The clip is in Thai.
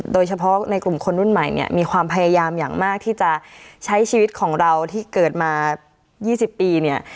โดยเฉพาะในกลุ่มคนรุ่นใหม่เนี่ยมีความพยายามอย่างมากที่จะใช้ชีวิตของเราที่เกิดมา๒๐ปีเนี่ย